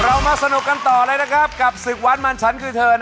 เรามาสนุกกันต่อเลยนะครับกับศึกวันมันฉันคือเธอ